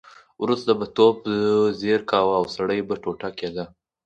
وروسته به توپ ډز کاوه او سړی به ټوټې کېده.